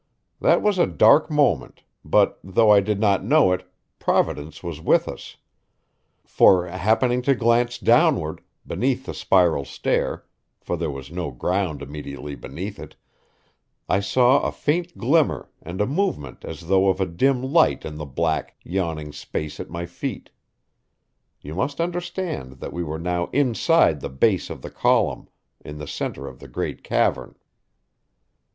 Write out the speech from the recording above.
That was a dark moment, but though I did not know it, Providence was with us. For, happening to glance downward, beneath the spiral stair for there was no ground immediately beneath it I saw a faint glimmer and a movement as though of a dim light in the black, yawning space at my feet. (You must understand that we were now inside the base of the column in the center of the great cavern.)